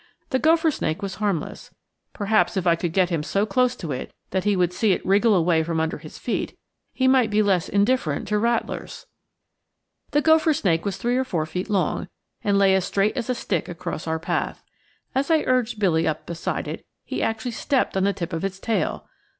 The gopher snake was harmless; perhaps, if I could get him so close to it that he would see it wriggle away from under his feet, he might be less indifferent to rattlers. The gopher snake was three or four feet long, and lay as straight as a stick across our path. As I urged Billy up beside it, he actually stepped on the tip of its tail.